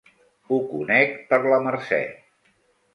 Ho conec, per la Mercè.